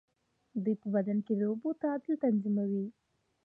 دوی په بدن کې د اوبو تعادل تنظیموي.